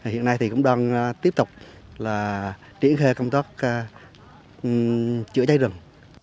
hiện nay thì cũng đang tiếp tục là triển khai công tác chữa cháy rừng